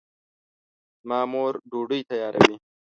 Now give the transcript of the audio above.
زما مور ډوډۍ تیاروي